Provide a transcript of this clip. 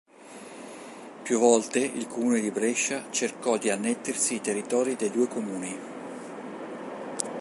Più volte il Comune di Brescia cercò di annettersi i territori dei due comuni.